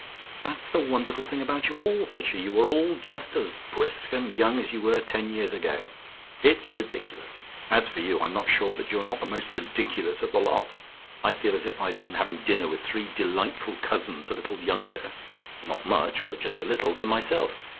"That's the wonderful thing about you all!" said she. "You are all just as brisk and young as you were ten years ago. It's ridiculous. As for you, I'm not sure that you're not the most ridiculous of the lot. I feel as if I had been having dinner with three delightful cousins a little younger not much, but just a little than myself.